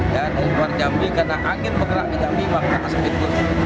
dan luar jambi karena angin bergerak di jambi maka asap itu